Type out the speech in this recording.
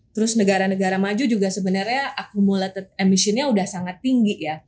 terus negara negara maju juga sebenarnya akumulated emissionnya sudah sangat tinggi ya